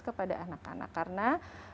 kepada anak anak karena